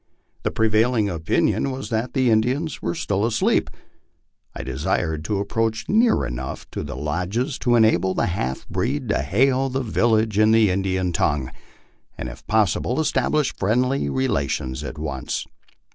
The prevailing opinion was that the Indians were still asleep. I desired to approach near enough to the lodges to enable the half breed to hail the village in the Indian tongue, and if possible establish friendly relations at once.